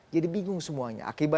jadi bingung semuanya